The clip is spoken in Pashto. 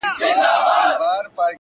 • د مرګي د کوهي لاره مو اخیستې ,